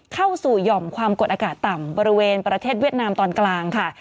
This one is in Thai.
เข้าสู่หย่อมความกดอากาศต่ำบริเวณประเทศเวียดนามตอนกลางค่ะ